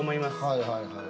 はいはいはい。